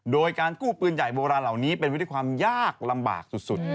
โดยการกู้ปืนใหญ่โบราณเหล่านี้เป็นไปด้วยความยากลำบากสุด